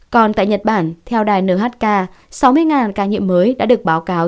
còn tại nhật bản theo đài nhk sáu mươi ca nhiễm mới đã được báo cáo